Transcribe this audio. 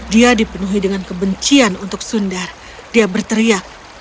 dia dipenuhi dengan kebencian untuk sundar dia berteriak